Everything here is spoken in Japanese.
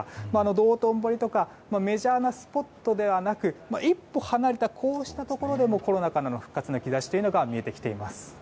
道頓堀とかメジャーなスポットではなく一歩離れたこうしたところでもコロナ禍からの復活の兆しというのが見えてきています。